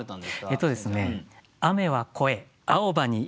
えっとですね